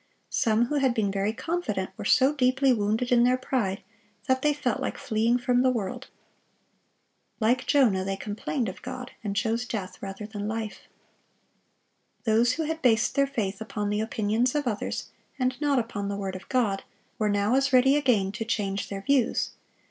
Some who had been very confident were so deeply wounded in their pride that they felt like fleeing from the world. Like Jonah, they complained of God, and chose death rather than life. Those who had based their faith upon the opinions of others, and not upon the word of God, were now as ready again to change their views.